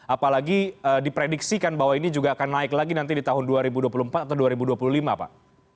apalagi diprediksikan bahwa ini juga akan naik lagi nanti di tahun dua ribu dua puluh empat atau dua ribu dua puluh lima pak